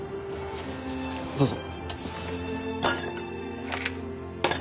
どうぞ。